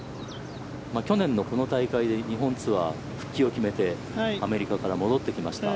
去年のこの大会で日本ツアー復帰を決めてアメリカから戻ってきました。